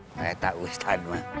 saya tak usah bang